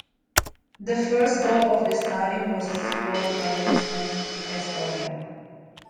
The first goal of the stadium was scored by Mixto's Pastoril.